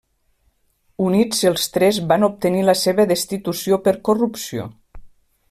Units els tres van obtenir la seva destitució per corrupció.